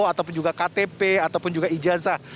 ataupun juga ktp ataupun juga ijazah